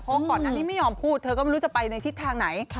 เพราะว่าก่อนหน้านี้ไม่ยอมพูดเธอก็ไม่รู้จะไปในทิศทางไหน